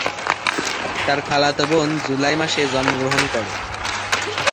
তার খালাতো বোন জুলাই মাসে জন্মগ্রহণ করে।